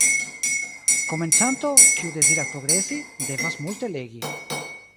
Komencanto, kiu deziras progresi, devas multe legi.